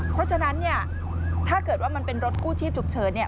เพราะฉะนั้นเนี่ยถ้าเกิดว่ามันเป็นรถกู้ชีพฉุกเฉิน